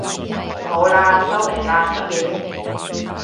冇喇收皮喇失戀